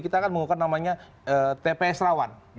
kita akan mengukur namanya tps rawan